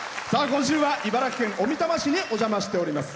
今週は茨城県小美玉市にお邪魔しております。